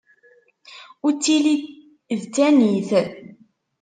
Ur ttili d Tanit.